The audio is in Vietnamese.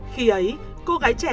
khi ấy cô gái trẻ